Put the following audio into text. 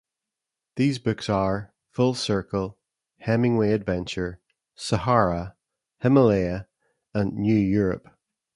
These books are "Full Circle", "Hemingway Adventure", "Sahara", "Himalaya" and "New Europe".